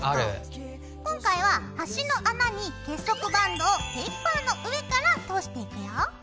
今回は端の穴に結束バンドをフェイクファーの上から通していくよ。